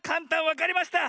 わかりました！